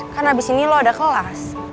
kan abis ini lo udah kelas